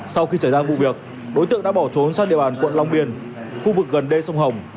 sau khi xảy ra vụ việc đối tượng đã bỏ trốn sang địa bàn quận long biên khu vực gần đê sông hồng